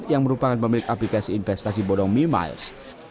yang merupakan pemilik aplikasi investasi bodong mi miles